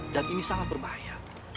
dan ini sangat berbahaya